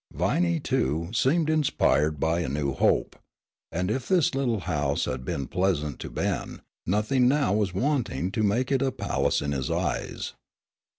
Viney, too, seemed inspired by a new hope, and if this little house had been pleasant to Ben, nothing now was wanting to make it a palace in his eyes.